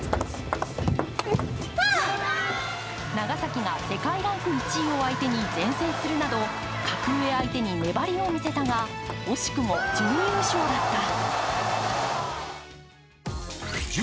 長崎が世界ランク１位を相手に善戦するなど格上相手に粘りを見せたが、惜しくも準優勝だった。